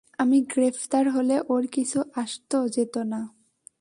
আমি গ্রেফতার হলে ওর কিছু আসতো-যেতো না।